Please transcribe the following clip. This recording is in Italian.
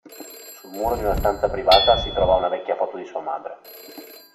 Sul muro di una stanza privata si trova una vecchia foto di sua madre.